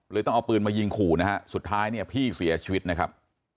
ต้องเอาปืนมายิงขู่นะฮะสุดท้ายเนี่ยพี่เสียชีวิตนะครับ